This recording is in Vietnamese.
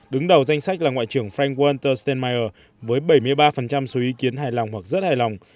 đứng đầu danh sách là ngoại trưởng frank walter stemmeyer với bảy mươi ba số ý kiến hài lòng hoặc rất hài lòng